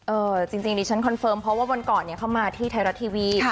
จริงดิฉันคอนเฟิร์มเพราะว่าวันก่อนเข้ามาที่ไทยรัฐทีวี